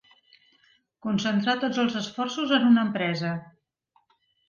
Concentrar tots els esforços en una empresa.